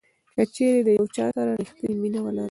کچیرې د یو چا سره ریښتینې مینه ولرئ.